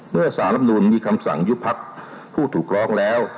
เมื่อสารรับนูลมีคำสั่งยุบพักผู้ถูกร้องแล้ว